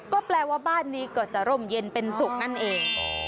ก็แปลว่าบ้านนี้ก็จะร่มเย็นเป็นสุขนั่นเอง